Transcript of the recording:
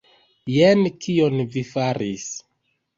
Jen kion vi faris.